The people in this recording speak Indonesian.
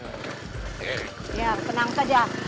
ya tenang saja